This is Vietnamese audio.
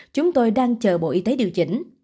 chúng tôi đang chờ bộ y tế điều chỉnh